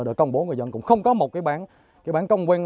và được công bố người dân cũng không có một cái bản công nguyên